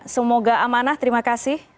semoga amanah terima kasih